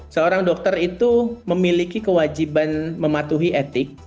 seorang dokter itu memiliki kewajiban mematuhi etik